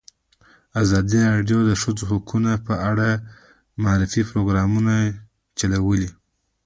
ازادي راډیو د د ښځو حقونه په اړه د معارفې پروګرامونه چلولي.